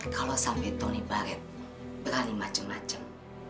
kalau sampai tony barret berani macem macem